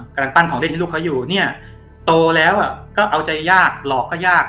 กำลังปั้นของเล่นให้ลูกเขาอยู่เนี่ยโตแล้วก็เอาใจยากหลอกก็ยาก